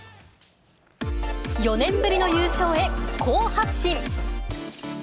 ４年ぶりの優勝へ、好発進。